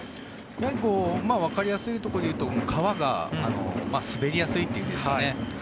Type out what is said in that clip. やはりわかりやすいところでいうと革が滑りやすいというんですかね。